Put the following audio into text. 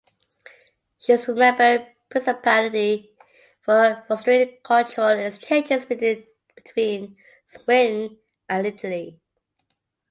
She is remembered principally for fostering cultural exchanges between Sweden and Italy.